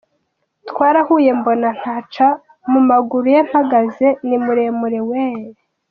"Twarahuye mbona naca mumaguruye mpagaze nimuremure we"}.